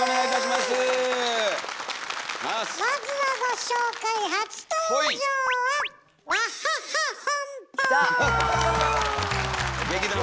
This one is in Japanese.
まずはご紹介初登場はきた！